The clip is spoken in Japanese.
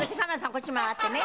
こっち回ってね。